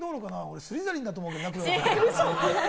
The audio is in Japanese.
俺、スリザリンだと思うけどな。